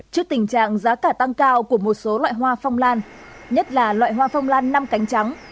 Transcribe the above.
trước tình trạng giá cả tăng cao của một số loại hoa phong lan nhất là loại hoa phong lan năm cánh trắng